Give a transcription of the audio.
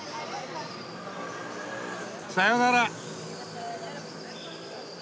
さよなら。